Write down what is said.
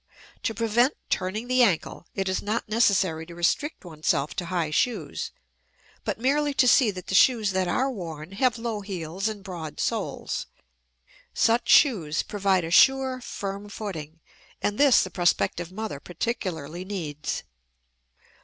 To prevent "turning the ankle," it is not necessary to restrict oneself to high shoes, but merely to see that the shoes that are worn have low heels and broad soles. Such shoes provide a sure, firm footing, and this the prospective mother particularly needs.